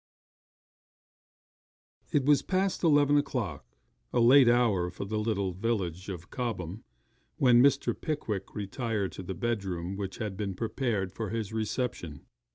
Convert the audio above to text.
It was past eleven o'clock a late hour for the little village of Cobham when Mr. Pickwick retired to the bedroom which had been prepared for his reception.